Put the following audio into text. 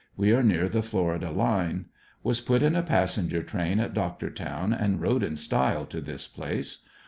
We are near the Florida line. Was put in a passenger train at Doctortown and rode in style to this place.